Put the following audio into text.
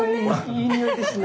いい匂いですね。